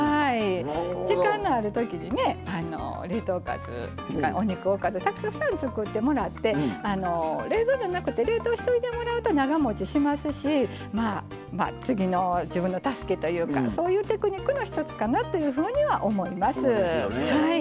時間のあるときにね冷凍おかずお肉おかずたくさん作ってもらって冷蔵じゃなくて冷凍しといてもらうと長もちしますしまあ次の自分の助けというかそういうテクニックの一つかなというふうには思います。